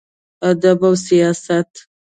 ادب او سياست: